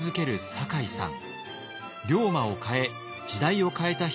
酒井さん